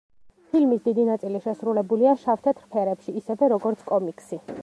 ფილმის დიდი ნაწილი შესრულებულია შავ-თეთრ ფერებში, ისევე როგორც კომიქსი.